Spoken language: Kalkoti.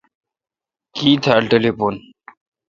کی تھال ٹلیفون ۔